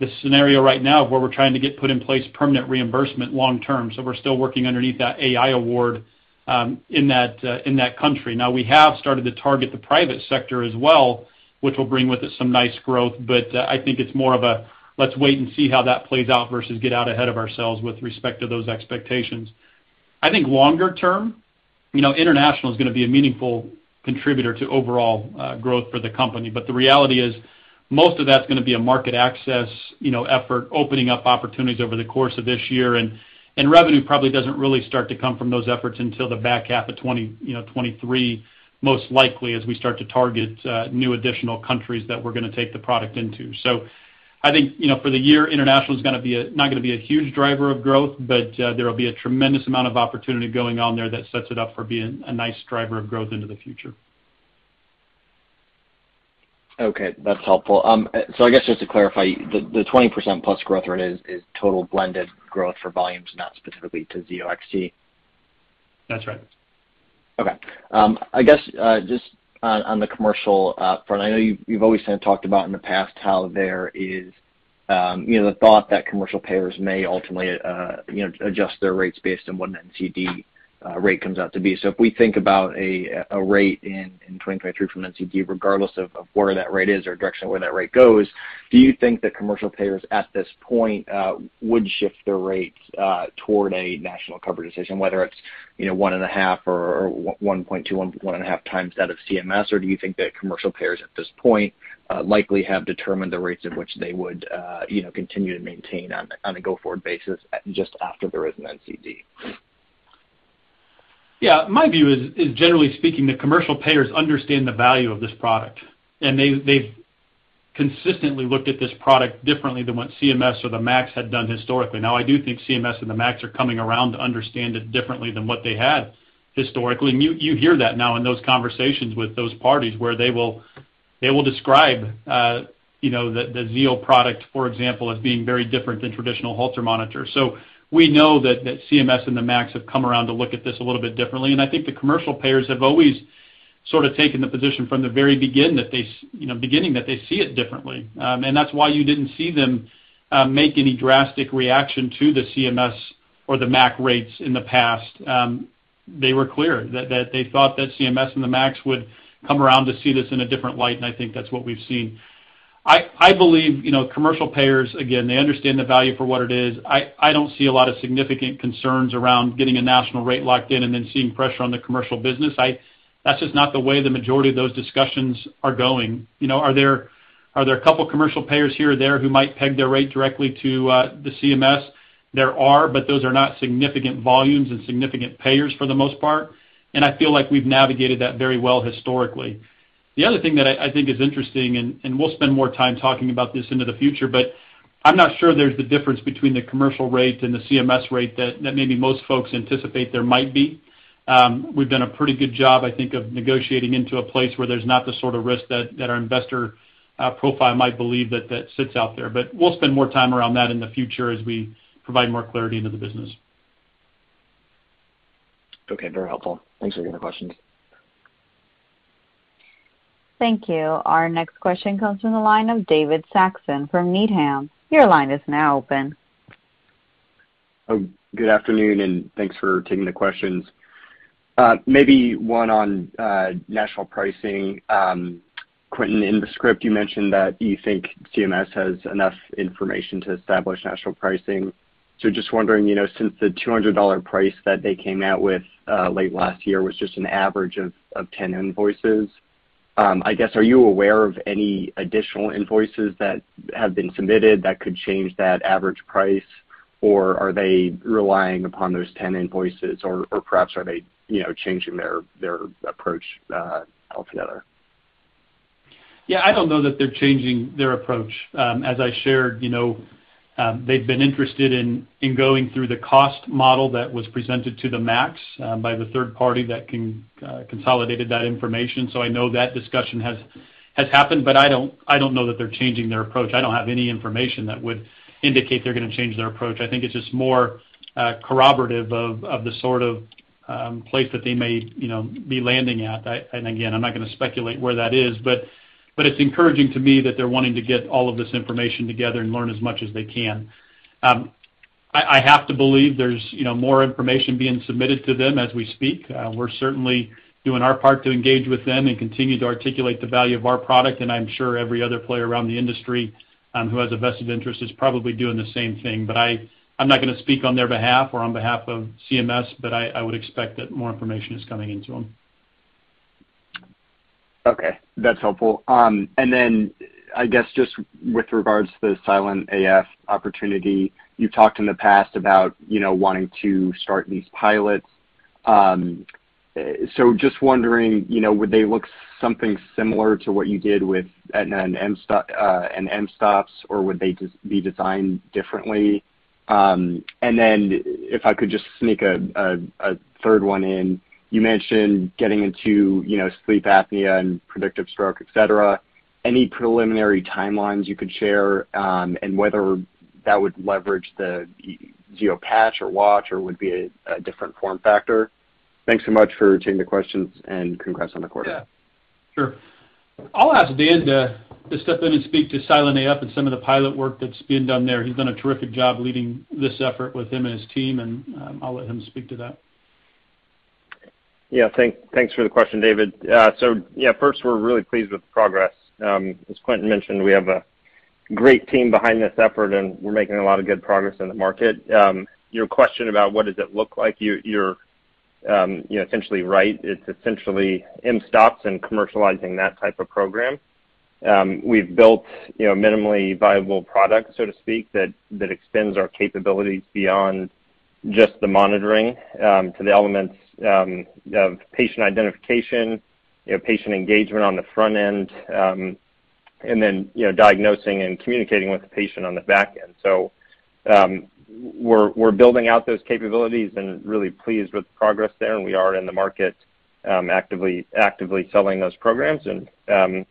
Speaker 3: the scenario right now where we're trying to get put in place permanent reimbursement long term. We're still working underneath that AI award, in that country. Now, we have started to target the private sector as well, which will bring with it some nice growth. I think it's more of a let's wait and see how that plays out versus get out ahead of ourselves with respect to those expectations. I think longer term, you know, international is gonna be a meaningful contributor to overall growth for the company. The reality is most of that's gonna be a market access, you know, effort, opening up opportunities over the course of this year, and revenue probably doesn't really start to come from those efforts until the back half of 2023, most likely as we start to target new additional countries that we're gonna take the product into. I think, you know, for the year, international is not gonna be a huge driver of growth, but there will be a tremendous amount of opportunity going on there that sets it up for being a nice driver of growth into the future.
Speaker 8: Okay, that's helpful. I guess just to clarify, the 20%+ growth rate is total blended growth for volumes, not specifically to Zio XT?
Speaker 3: That's right.
Speaker 8: Okay. I guess, just on the commercial front, I know you've always kinda talked about in the past how there is you know the thought that commercial payers may ultimately you know adjust their rates based on what an NCD rate comes out to be. If we think about a rate in 2023 from NCD, regardless of where that rate is or direction of where that rate goes, do you think that commercial payers at this point would shift their rates toward a national coverage decision, whether it's you know 1.5 or 1.2, 1.5 times that of CMS? Do you think that commercial payers at this point likely have determined the rates at which they would you know continue to maintain on a go-forward basis just after there is an NCD?
Speaker 3: Yeah. My view is generally speaking, the commercial payers understand the value of this product, and they've consistently looked at this product differently than what CMS or the MACs had done historically. I do think CMS and the MACs are coming around to understand it differently than what they had historically. You hear that now in those conversations with those parties where they will describe, you know, the Zio product, for example, as being very different than traditional halter monitors. We know that CMS and the MACs have come around to look at this a little bit differently. I think the commercial payers have always sort of taken the position from the very beginning, you know, that they see it differently. That's why you didn't see them make any drastic reaction to the CMS or the MAC rates in the past. They were clear that they thought that CMS and the MAC would come around to see this in a different light, and I think that's what we've seen. I believe, you know, commercial payers, again, they understand the value for what it is. I don't see a lot of significant concerns around getting a national rate locked in and then seeing pressure on the commercial business. That's just not the way the majority of those discussions are going. You know, are there a couple commercial payers here or there who might peg their rate directly to the CMS? There are, but those are not significant volumes and significant payers for the most part, and I feel like we've navigated that very well historically. The other thing that I think is interesting, and we'll spend more time talking about this into the future, but I'm not sure there's the difference between the commercial rate and the CMS rate that maybe most folks anticipate there might be. We've done a pretty good job, I think, of negotiating into a place where there's not the sort of risk that our investor profile might believe that sits out there. We'll spend more time around that in the future as we provide more clarity into the business.
Speaker 8: Okay. Very helpful. Thanks for taking the questions.
Speaker 1: Thank you. Our next question comes from the line of David Saxon from Needham. Your line is now open.
Speaker 9: Good afternoon, and thanks for taking the questions. Maybe one on national pricing. Quentin, in the script, you mentioned that you think CMS has enough information to establish national pricing. Just wondering, you know, since the $200 price that they came out with late last year was just an average of 10 invoices, I guess, are you aware of any additional invoices that have been submitted that could change that average price, or are they relying upon those 10 invoices, or perhaps are they, you know, changing their approach altogether?
Speaker 3: Yeah, I don't know that they're changing their approach. As I shared, you know, they've been interested in going through the cost model that was presented to the MACs by the third party that consolidated that information. I know that discussion has happened, but I don't know that they're changing their approach. I don't have any information that would indicate they're gonna change their approach. I think it's just more corroborative of the sort of place that they may, you know, be landing at. Again, I'm not gonna speculate where that is, but it's encouraging to me that they're wanting to get all of this information together and learn as much as they can. I have to believe there's, you know, more information being submitted to them as we speak. We're certainly doing our part to engage with them and continue to articulate the value of our product, and I'm sure every other player around the industry who has a vested interest is probably doing the same thing. I'm not gonna speak on their behalf or on behalf of CMS, but I would expect that more information is coming into them.
Speaker 9: Okay, that's helpful. I guess, just with regards to the silent AF opportunity, you've talked in the past about, you know, wanting to start these pilots. Just wondering, you know, would they look something similar to what you did with an mSToPS, or would they just be designed differently? If I could just sneak a third one in. You mentioned getting into, you know, sleep apnea and predictive stroke, et cetera. Any preliminary timelines you could share, and whether that would leverage the Zio patch or Watch or would be a different form factor? Thanks so much for taking the questions, and congrats on the quarter.
Speaker 3: Yeah, sure. I'll ask Dan to step in and speak to silent AF and some of the pilot work that's being done there. He's done a terrific job leading this effort with him and his team, and I'll let him speak to that.
Speaker 10: Yeah. Thanks for the question, David. Yeah, first, we're really pleased with the progress. As Quentin mentioned, we have a great team behind this effort, and we're making a lot of good progress in the market. Your question about what does it look like, you're, you know, essentially right. It's essentially in stocking and commercializing that type of program. We've built, you know, minimally viable products, so to speak, that extends our capabilities beyond just the monitoring, to the elements, of patient identification, you know, patient engagement on the front end, and then, you know, diagnosing and communicating with the patient on the back end. We're building out those capabilities and really pleased with the progress there, and we are in the market, actively selling those programs and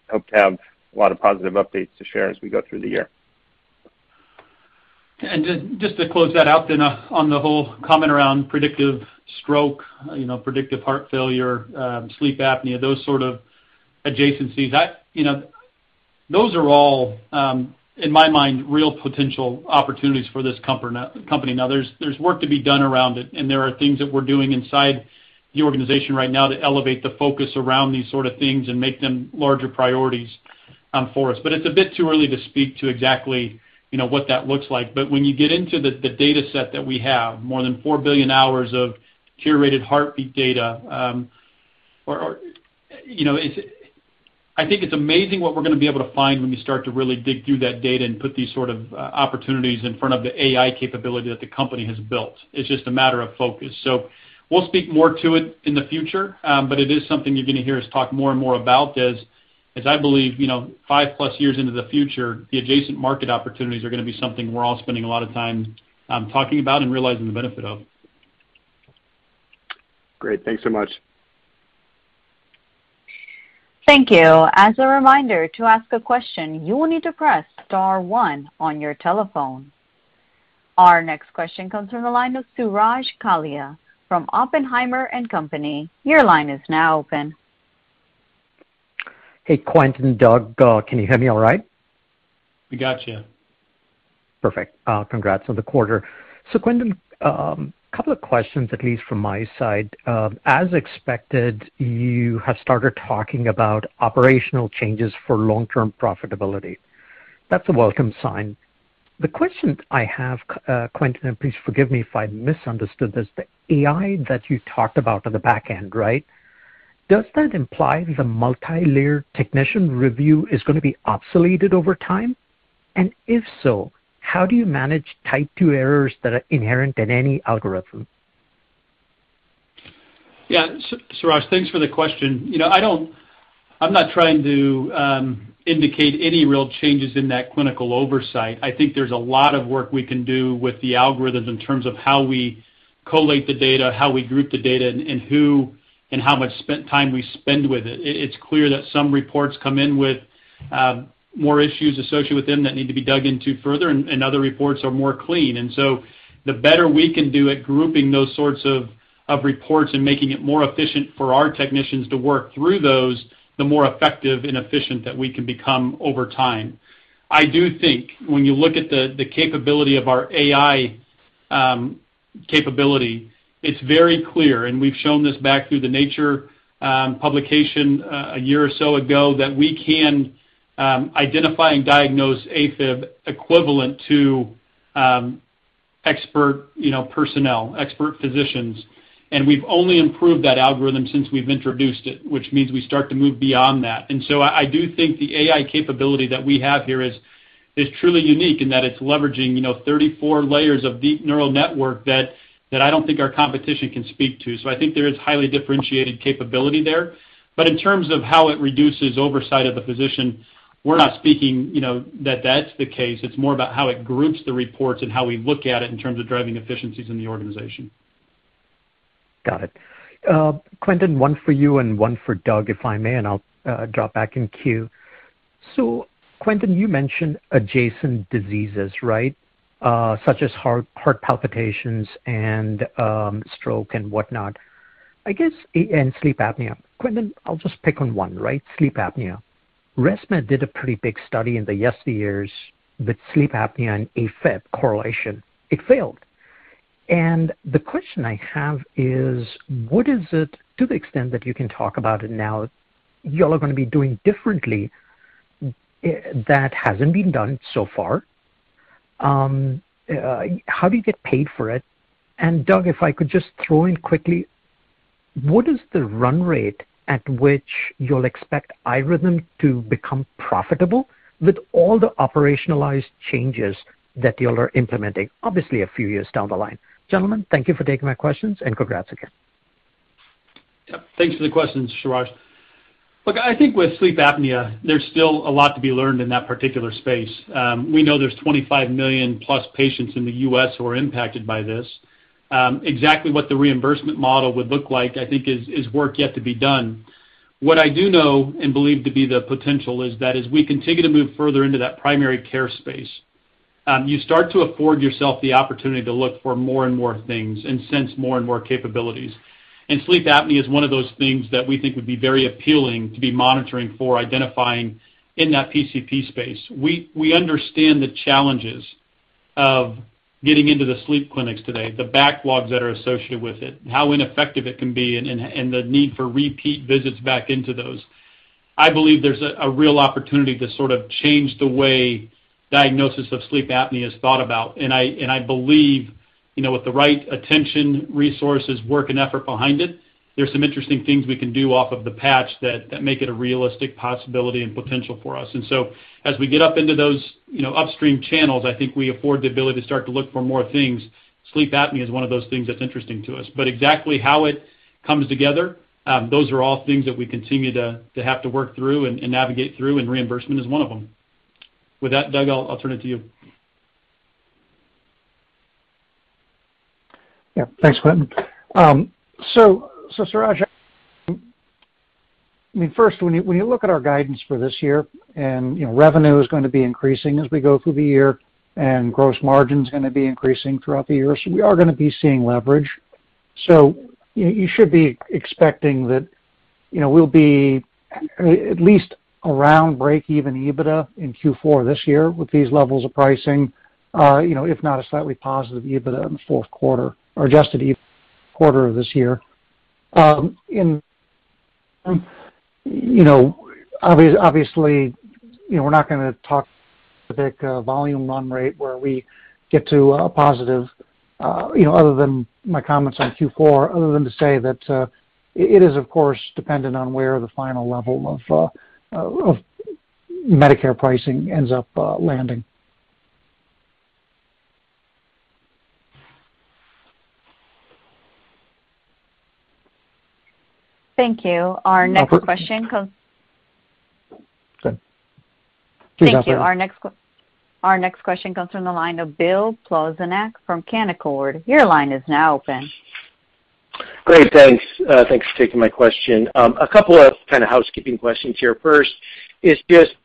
Speaker 10: hope to have a lot of positive updates to share as we go through the year.
Speaker 3: Just to close that out then on the whole comment around predictive stroke, you know, predictive heart failure, sleep apnea, those sort of adjacencies. That, you know, those are all in my mind real potential opportunities for this company. Now, there's work to be done around it, and there are things that we're doing inside the organization right now to elevate the focus around these sort of things and make them larger priorities for us. It's a bit too early to speak to exactly, you know, what that looks like. When you get into the data set that we have, more than 4 billion hours of curated heartbeat data, or you know, it's- I think it's amazing what we're gonna be able to find when we start to really dig through that data and put these sort of opportunities in front of the AI capability that the company has built. It's just a matter of focus. We'll speak more to it in the future, but it is something you're gonna hear us talk more and more about as I believe, you know, 5+ years into the future, the adjacent market opportunities are gonna be something we're all spending a lot of time talking about and realizing the benefit of.
Speaker 9: Great. Thanks so much.
Speaker 1: Thank you. As a reminder to ask a question, you will need to press star one on your telephone. Our next question comes from the line of Suraj Kalia from Oppenheimer & Co. Your line is now open.
Speaker 11: Hey, Quentin, Doug, can you hear me all right?
Speaker 3: We got you.
Speaker 11: Perfect. Congrats on the quarter. Quentin, couple of questions, at least from my side. As expected, you have started talking about operational changes for long-term profitability. That's a welcome sign. The question I have, Quentin, and please forgive me if I misunderstood this, the AI that you talked about on the back end, right? Does that imply the multi-layered technician review is gonna be obsoleted over time? And if so, how do you manage type two errors that are inherent in any algorithm?
Speaker 3: Yeah. Suraj, thanks for the question. You know, I'm not trying to indicate any real changes in that clinical oversight. I think there's a lot of work we can do with the algorithms in terms of how we collate the data, how we group the data, and who and how much time we spend with it. It's clear that some reports come in with more issues associated with them that need to be dug into further, and other reports are more clean. The better we can do at grouping those sorts of reports and making it more efficient for our technicians to work through those, the more effective and efficient that we can become over time. I do think when you look at the capability of our AI capability, it's very clear, and we've shown this back through the Nature publication a year or so ago, that we can identify and diagnose AFib equivalent to expert, you know, personnel, expert physicians. We've only improved that algorithm since we've introduced it, which means we start to move beyond that. I do think the AI capability that we have here is truly unique in that it's leveraging, you know, 34 layers of deep neural network that I don't think our competition can speak to. I think there is highly differentiated capability there. In terms of how it reduces oversight of the physician, we're not speaking, you know, that that's the case. It's more about how it groups the reports and how we look at it in terms of driving efficiencies in the organization.
Speaker 11: Got it. Quentin, one for you and one for Doug, if I may, and I'll drop back in queue. Quentin, you mentioned adjacent diseases, right? Such as heart palpitations and stroke and whatnot. I guess, and sleep apnea. Quentin, I'll just pick on one, right? Sleep apnea. ResMed did a pretty big study in the yesteryears with sleep apnea and AFib correlation. It failed. The question I have is, what is it, to the extent that you can talk about it now, y'all are gonna be doing differently that hasn't been done so far? How do you get paid for it? Doug, if I could just throw in quickly, what is the run rate at which you'll expect iRhythm to become profitable with all the operationalized changes that y'all are implementing, obviously, a few years down the line? Gentlemen, thank you for taking my questions, and congrats again.
Speaker 3: Yeah. Thanks for the questions, Suraj. Look, I think with sleep apnea, there's still a lot to be learned in that particular space. We know there's 25 million+ patients in the U.S. who are impacted by this. Exactly what the reimbursement model would look like, I think is work yet to be done. What I do know and believe to be the potential is that as we continue to move further into that primary care space, you start to afford yourself the opportunity to look for more and more things and sense more and more capabilities. Sleep apnea is one of those things that we think would be very appealing to be monitoring for identifying in that PCP space. We understand the challenges of getting into the sleep clinics today, the backlogs that are associated with it, how ineffective it can be and the need for repeat visits back into those. I believe there's a real opportunity to sort of change the way diagnosis of sleep apnea is thought about. I believe, you know, with the right attention, resources, work, and effort behind it, there's some interesting things we can do off of the patch that make it a realistic possibility and potential for us. As we get up into those, you know, upstream channels, I think we afford the ability to start to look for more things. Sleep apnea is one of those things that's interesting to us. Exactly how it comes together, those are all things that we continue to have to work through and navigate through, and reimbursement is one of them. With that, Doug, I'll turn it to you.
Speaker 4: Yeah. Thanks, Quentin. So Suraj, I mean, first, when you look at our guidance for this year and, you know, revenue is gonna be increasing as we go through the year and gross margin's gonna be increasing throughout the year, so we are gonna be seeing leverage. You should be expecting that, you know, we'll be at least around breakeven EBITDA in Q4 this year with these levels of pricing, you know, if not a slightly positive EBITDA in the fourth quarter or Adjusted EBITDA quarter of this year. You know, obviously, you know, we're not gonna talk specific volume run rate where we get to positive, you know, other than my comments on Q4, other than to say that it is of course dependent on where the final level of Medicare pricing ends up landing.
Speaker 1: Thank you. Our next question comes.
Speaker 4: Sorry. Please operate.
Speaker 1: Thank you. Our next question comes from the line of Bill Plovanic from Canaccord. Your line is now open.
Speaker 12: Great. Thanks for taking my question. A couple of kinda housekeeping questions here. First is just,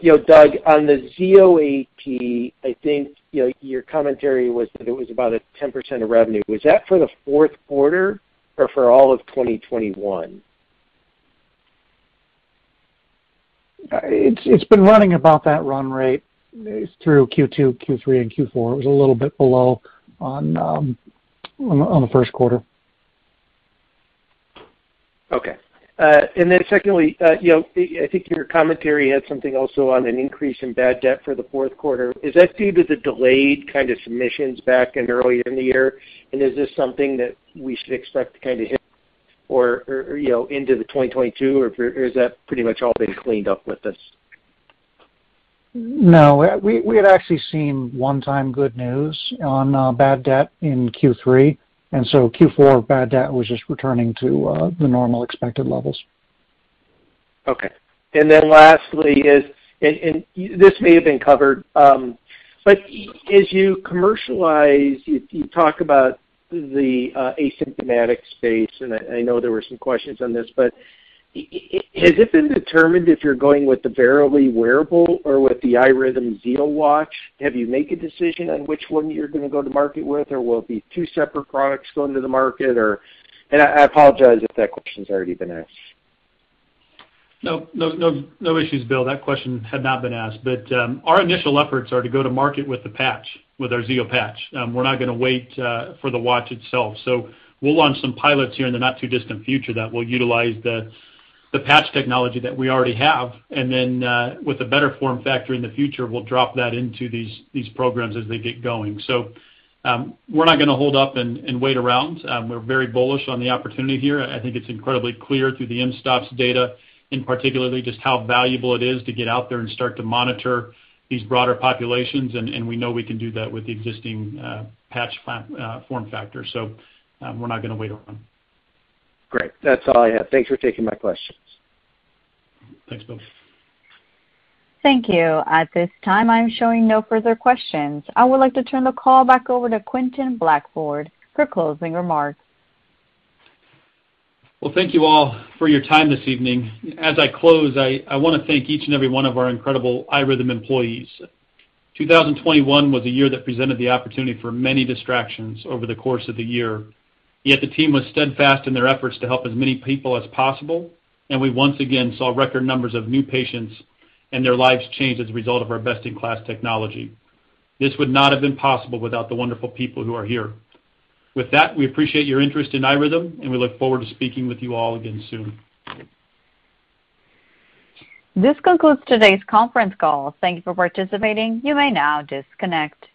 Speaker 12: you know, Doug, on the Zio AT, I think, you know, your commentary was that it was about 10% of revenue. Was that for the fourth quarter or for all of 2021?
Speaker 4: It's been running about that run rate through Q2, Q3, and Q4. It was a little bit below on the first quarter.
Speaker 12: Okay. Secondly, you know, I think your commentary had something also on an increase in bad debt for the fourth quarter. Is that due to the delayed kinda submissions back earlier in the year? Is this something that we should expect to kinda hit or, you know, into 2022, or is that pretty much all been cleaned up with this?
Speaker 4: No. We had actually seen one-time good news on bad debt in Q3, and so Q4 bad debt was just returning to the normal expected levels.
Speaker 12: Okay. This may have been covered, but as you commercialize, you talk about the asymptomatic space, and I know there were some questions on this, but has it been determined if you're going with the Verily wearable or with the iRhythm Zio Watch? Have you made a decision on which one you're gonna go to market with, or will it be two separate products going to the market? I apologize if that question's already been asked.
Speaker 3: No issues, Bill. That question had not been asked. Our initial efforts are to go to market with the patch, with our Zio patch. We're not gonna wait for the watch itself. We'll launch some pilots here in the not too distant future that will utilize the patch technology that we already have. With a better form factor in the future, we'll drop that into these programs as they get going. We're not gonna hold up and wait around. We're very bullish on the opportunity here. I think it's incredibly clear through the mSToPS data, and particularly just how valuable it is to get out there and start to monitor these broader populations, and we know we can do that with the existing form factor. We're not gonna wait around.
Speaker 12: Great. That's all I have. Thanks for taking my questions.
Speaker 3: Thanks, Bill.
Speaker 1: Thank you. At this time, I'm showing no further questions. I would like to turn the call back over to Quentin Blackford for closing remarks.
Speaker 3: Well, thank you all for your time this evening. As I close, I wanna thank each and every one of our incredible iRhythm employees. 2021 was a year that presented the opportunity for many distractions over the course of the year, yet the team was steadfast in their efforts to help as many people as possible, and we once again saw record numbers of new patients and their lives changed as a result of our best-in-class technology. This would not have been possible without the wonderful people who are here. With that, we appreciate your interest in iRhythm, and we look forward to speaking with you all again soon.
Speaker 1: This concludes today's conference call. Thank you for participating. You may now disconnect.